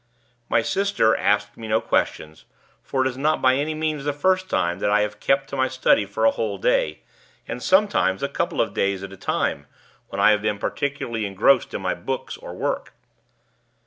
My sister asked me no questions; for it is not by any means the first time that I have kept to my study for a whole day, and sometimes a couple of days at a time, when I have been particularly engrossed in my books or work.